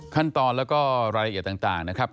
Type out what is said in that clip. ขั้นตอนแล้วก็รายละเอียดต่างนะครับ